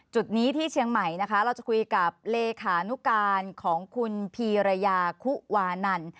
จุดนี้ที่เชียงใหม่นะคะเราจะคุยกับเลขานุการของคุณพีรยาคุวานัน